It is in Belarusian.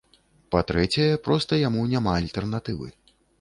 Па-трэцяе, проста яму няма альтэрнатывы.